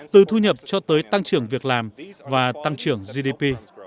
từ thu nhập cho tới tăng trưởng việc làm và tăng trưởng gdp